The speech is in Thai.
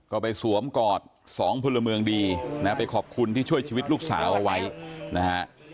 ก็ไปสวมกอดสองพลเมืองดีนะไปขอบคุณที่ช่วยชีวิตลูกสาวเอาไว้นะฮะ